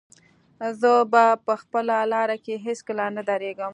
زه به په خپله لاره کې هېڅکله نه درېږم.